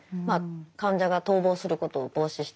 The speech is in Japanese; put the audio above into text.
患者が逃亡することを防止した。